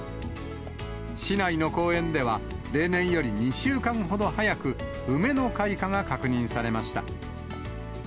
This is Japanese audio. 市内の公園では、例年より２週間ほど早く、梅の開花が確認されました。